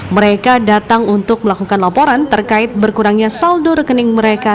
mereka datang untuk melakukan laporan terkait berkurangnya saldo rekening mereka